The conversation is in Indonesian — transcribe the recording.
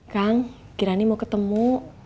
kang kirani mau ketemu